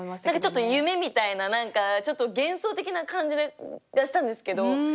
何かちょっと夢みたいな何かちょっと幻想的な感じがしたんですけど。